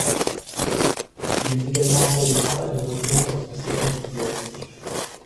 Il est également appelée cravate de notaire lorsque c'est l'homme qui est actif.